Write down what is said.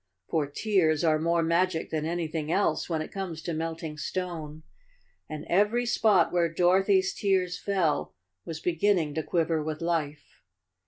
For tears are more magic than anything else, when it comes to melt¬ ing stone, and every spot where Dorothy's tears fell was beginning to quiver with life.